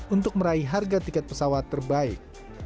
untuk meraih harga tiket pesawat terbaik